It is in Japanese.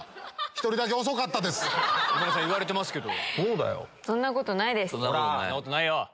今田さん言われてますけど。